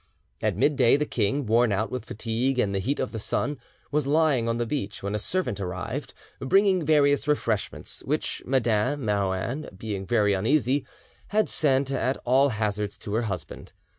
At midday the king, worn out with fatigue and the heat of the sun, was lying on the beach, when a servant arrived, bringing various refreshments, which Madame Marouin, being very uneasy, had sent at all hazards to her husband.